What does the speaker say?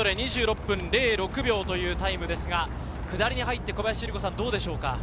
手元で２６分０６秒というタイムですが、下りに入って、どうでしょうか？